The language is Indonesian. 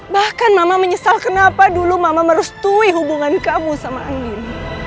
bahkan mama menyesal kenapa dulu mama merestui hubungan kamu sama andin